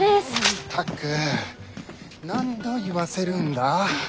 ったく何度言わせるんだ？